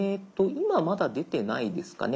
今まだ出てないですかね。